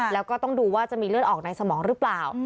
แล้วก็ต้องดูว่าจะมีเลือดออกในสมองหรือเปล่า